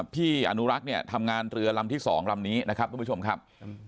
พี่อนุรักษ์เนี่ยทำงานเรือลำที่๒ลำนี้นะครับทุกผู้ชมครับ